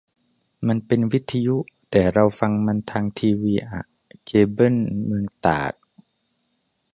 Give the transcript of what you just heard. มันเป็นวิทยุ แต่เราฟังมันทางทีวีอ่ะ เคเบิลเมืองตาก